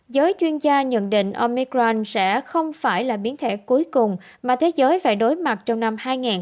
giới chuyên gia nhận định omecran sẽ không phải là biến thể cuối cùng mà thế giới phải đối mặt trong năm hai nghìn hai mươi